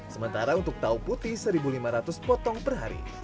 sementara untuk tahu putih satu lima ratus potong per hari